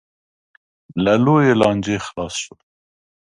له لویې لانجې خلاص شول.